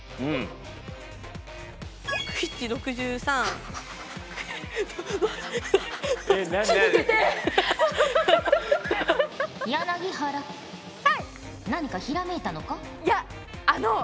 何かひらめいたのか？